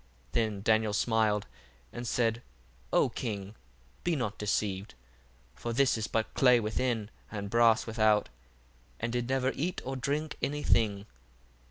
1:7 Then Daniel smiled, and said, O king, be not deceived: for this is but clay within, and brass without, and did never eat or drink any thing.